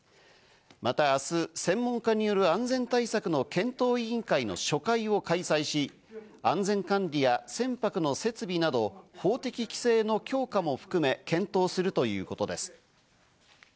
また明日、専門家による安全対策の検討委員会の初回を開催し、安全管理や船舶の設備など法的規制の強化も含め検討するということです。